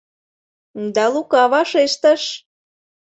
Да Лука вашештыш: